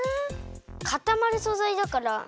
かたまるそざいだから。